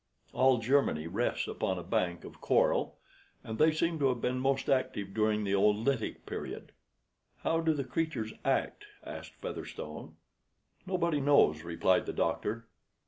All Germany rests upon a bank of coral; and they seem to have been most active during the Oolitic Period." "How do the creatures act?" asked Featherstone. "Nobody knows," replied the doctor.